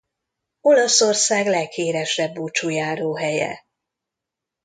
Olaszország leghíresebb búcsújáró helye.